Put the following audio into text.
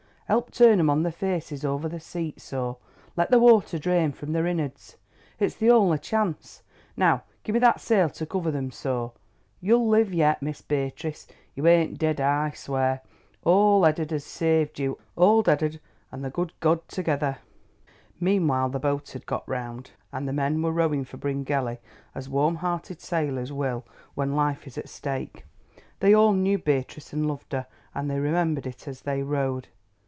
"Help turn 'em on their faces over the seat, so—let the water drain from their innards. It's the only chance. Now give me that sail to cover them—so. You'll live yet, Miss Beatrice, you ain't dead, I swear. Old Eddard has saved you, Old Eddard and the good Goad together!" Meanwhile the boat had been got round, and the men were rowing for Bryngelly as warm hearted sailors will when life is at stake. They all knew Beatrice and loved her, and they remembered it as they rowed.